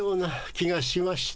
気がしまして。